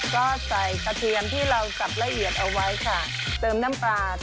ก็ใส่กระเทียมที่เราสับละเอียดเอาไว้ค่ะเติมน้ำปลา